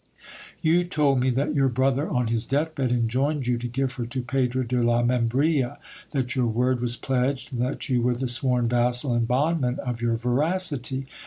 You told me that your brother, on his death bed, enjoined you to give her to Pedro de la Membrilla ; that your word was pledged, and that you were the sworn vassal and bondman of your veracity.